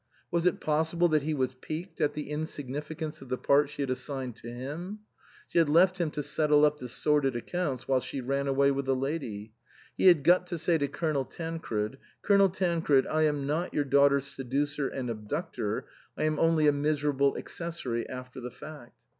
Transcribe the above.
Was it possible that he was piqued at the insignificance of the part she had assigned to him ? She had left him to settle up the sordid accounts while she ran away with the lady. He had got to say to Colonel Tancred, " Colonel Tancred, I am not your daughter's seducer and abductor ; I am only a miserable accessory after the fact."